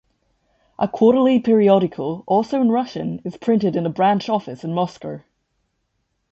A quarterly periodical, also in Russian, is printed in the branch office in Moscow.